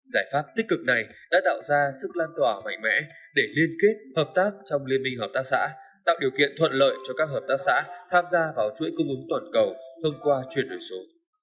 giải pháp tích cực này đã tạo ra sức lan tỏa mạnh mẽ để liên kết hợp tác trong liên minh hợp tác xã tạo điều kiện thuận lợi cho các hợp tác xã tham gia vào chuỗi cung ứng toàn cầu thông qua chuyển đổi số